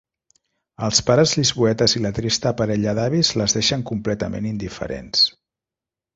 Els pares lisboetes i la trista parella d'avis les deixen completament indiferents.